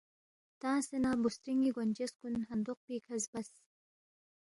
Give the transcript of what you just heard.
تنگسے نہ بُوسترِن٘ی گونچس کُن ہندوق پیکھہ زبس